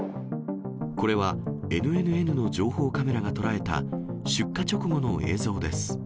これはＮＮＮの情報カメラが捉えた、出火直後の映像です。